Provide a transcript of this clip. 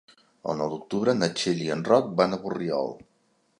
El nou d'octubre na Txell i en Roc van a Borriol.